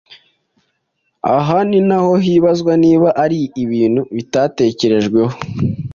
aha naho hibazwa niba ari ibintu bitatekerejweho